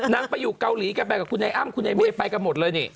นักไปอยู่เกาหลีกับคุณไอ้อ้ำคุณไอ้เมฆไปหมดเลย